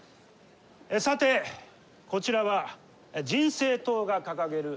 さてこちらは人生党が掲げる